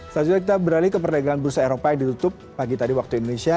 selanjutnya kita beralih ke perdagangan bursa eropa yang ditutup pagi tadi waktu indonesia